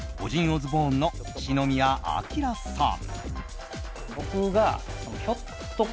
オズボーンの篠宮暁さん。